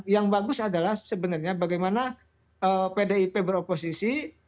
yang bagus adalah sebenarnya bagaimana pdip beroposisi